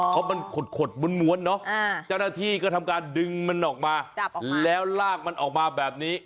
เพราะมันขดม้วนเนอะเจ้าหน้าที่ก็ทำการดึงมันออกมาแล้วลากมันออกมาแบบนี้